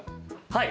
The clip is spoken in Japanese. はい。